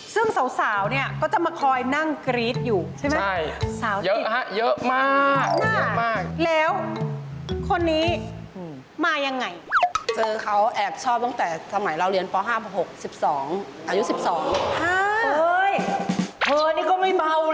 ซึ่งสาวเนี่ยก็จะมาคอยนั่งกรี๊ทอยู่ใช่ไหมใช่เยอะข้างมากแล้วคนนี้มายังไงเจอเขาแอบชอบตั้งแต่สมัยเรียนพ๕๖อายุ๑๒